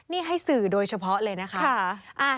นี่ให้สื่อโดยเฉพาะเลยนะคะ